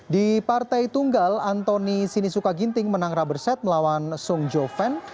di partai tunggal antoni sinisuka ginting menang rubber set melawan sung jo fen